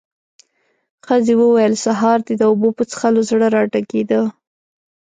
ښځې وويل: سهار دې د اوبو په څښلو زړه راډکېده.